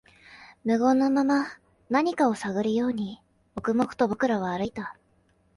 無言のまま、何かを探るように、黙々と僕らは歩いた